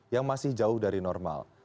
yang masih jauh dari normal